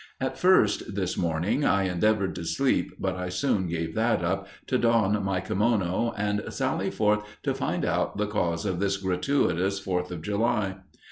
At first this morning I endeavored to sleep, but I soon gave that up to don my kimono and sally forth to find out the cause of this gratuitous Fourth of July.